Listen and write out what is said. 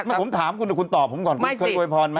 ไม่ผมถามคุณเดี๋ยวคุณตอบผมก่อนคุณเคยอวยพรไหม